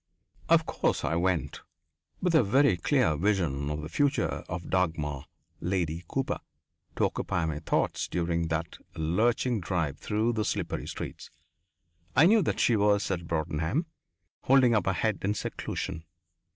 Of course I went, with a very clear vision of the future of Dagmar, Lady Cooper, to occupy my thoughts during that lurching drive through the slippery streets. I knew that she was at Broadenham, holding up her head in seclusion.